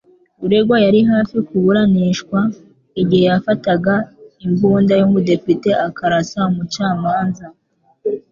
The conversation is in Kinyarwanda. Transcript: Uregwa yari hafi kuburanishwa igihe yafataga imbunda y'umudepite akarasa umucamanza.